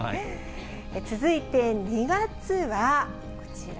続いて２月は、こちら。